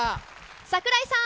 櫻井さん。